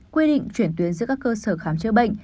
quy định chuyển tuyến giữa các cơ sở khám chữa bệnh